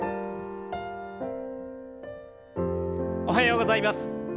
おはようございます。